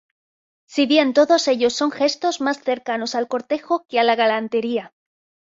Si bien todos ellos son gestos más cercanos al cortejo que a la galantería.